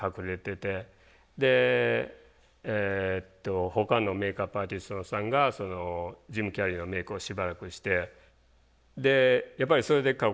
でほかのメイクアップアーティストさんがジム・キャリーのメイクをしばらくしてでやっぱりそれで実感したわけですね。